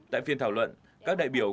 tại phiên thảo luận các đại biểu